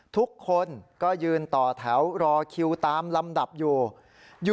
ทุกคนก็ยืนต่อแถวรอคิวตามลำดับอยู่